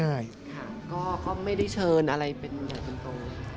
ง่ายค่ะก็ไม่ได้เชิญอะไรเป็นใหญ่เป็นตัว